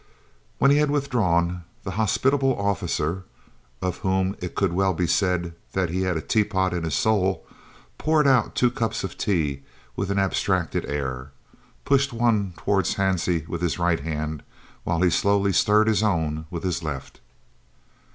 When he had withdrawn, the hospitable officer, of whom it could well be said that "he had a teapot in his soul," poured out two cups of tea with an abstracted air, pushed one towards Hansie with his right hand, while he slowly stirred his own with his left.